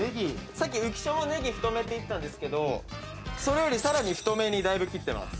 さっき浮所もネギ太めって言ってたんですけどそれよりさらに太めにだいぶ切ってます。